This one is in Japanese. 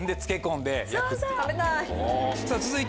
食べたい。